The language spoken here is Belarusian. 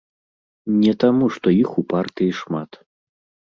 Не таму, што іх у партыі шмат.